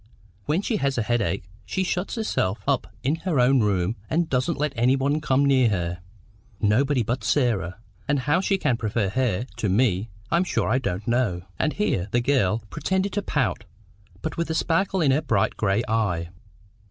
When she has a headache, she shuts herself up in her own room, and doesn't even let me come near her—nobody but Sarah; and how she can prefer her to me, I'm sure I don't know." And here the girl pretended to pout, but with a sparkle in her bright gray eye.